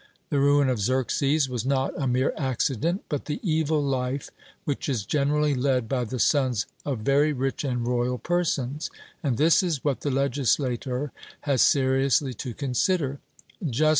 The ruin of Xerxes was not a mere accident, but the evil life which is generally led by the sons of very rich and royal persons; and this is what the legislator has seriously to consider.